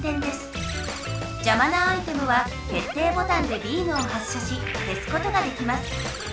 じゃまなアイテムは決定ボタンでビームを発射しけすことができます。